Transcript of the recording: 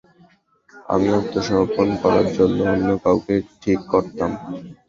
আমি আত্মসমর্পণ করার জন্য অন্য কাউকে ঠিক করতাম।